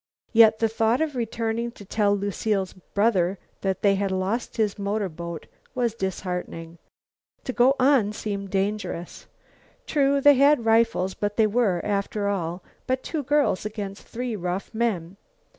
Yet the thought of returning to tell Lucile's brother that they had lost his motorboat was disheartening. To go on seemed dangerous. True, they had rifles but they were, after all, but two girls against three rough men.